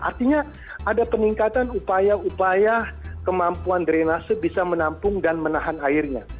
artinya ada peningkatan upaya upaya kemampuan drenase bisa menampung dan menahan airnya